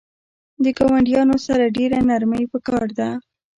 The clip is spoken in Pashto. د ګاونډیانو سره ډیره نرمی پکار ده